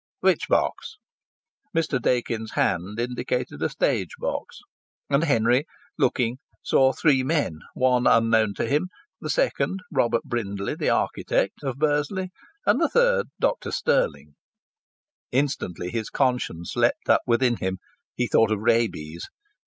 "Which box?" Mr. Dakins' hand indicated a stage box. And Henry, looking, saw three men, one unknown to him, the second, Robert Brindley, the architect, of Bursley, and the third, Dr. Stirling. Instantly his conscience leapt up within him. He thought of rabies.